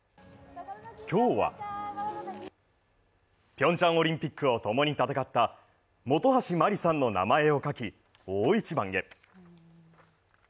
今日はピョンチャンオリンピックをともに戦った本橋麻里さんの名前を書き、大一番へ。